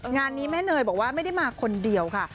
งานนี้แม่เนยบอกว่าไม่ได้มาคนเดียวค่ะ